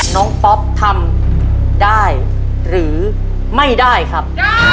น้องป๊อปทำได้หรือไม่ได้ครับ